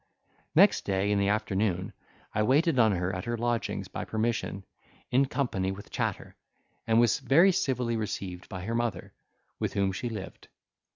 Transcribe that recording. Next day, in the afternoon, I waited on her at her lodgings, by permission, in company with Chatter, and was very civilly received by her mother, with whom she lived.